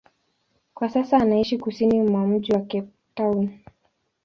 Kwa sasa anaishi kusini mwa mji wa Cape Town.